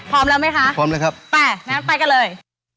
พร้อมแล้วไหมคะพร้อมแล้วครับไปงั้นไปกันเลย